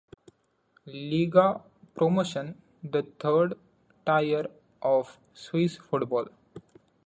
Liga Promotion, the third tier of Swiss football.